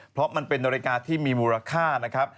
เพราะมันเป็นนาฬิกาที่มีมูลค่านะครับ